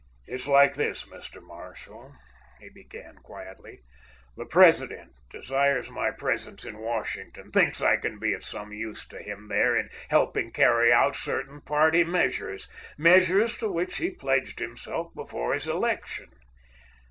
"It's like this, Mr. Marshall," he began quietly. "The President desires my presence in Washington, thinks I can be of some use to him there in helping carry out certain party measures—measures to which he pledged himself before his election.